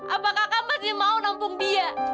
apakah kamu masih mau nampung dia